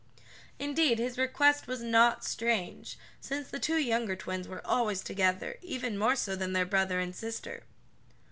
Indeed his request was not strange, since the two younger twins were always together even more so than their brother and sister.